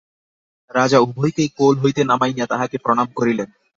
রাজা উভয়কেই কোল হইতে নামাইয়া তাঁহাকে প্রণাম করিলেন।